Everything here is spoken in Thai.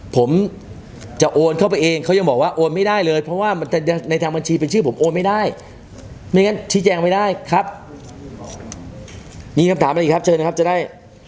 ผมจะโอนเข้าไปเองเขายังบอกว่าโอนไม่ได้เลยเพราะว่ามันจะในทางบัญชีเป็นชื่อผมโอนไม่ได้ไม่งั้นชี้แจงไม่ได้ครับมีคำถามอะไรอีกครับเชิญนะครับจะได้